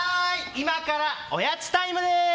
今からおやつタイムです！